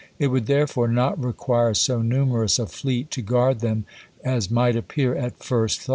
It would therefore not require so numerous a fleet to guard them as might appear at first thought.